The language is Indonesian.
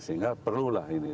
sehingga perlulah ini